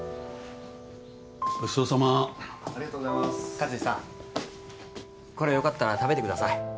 勝二さんこれよかったら食べてください。